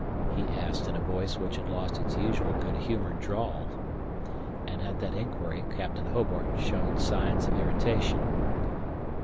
he asked in a voice which had lost its usual good humored drawl. And at that inquiry Captain Hobart showed signs of irritation.